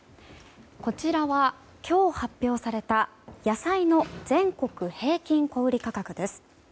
こちらは今日発表された野菜の全国平均小売価格です。